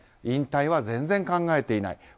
引退は全然考えていない。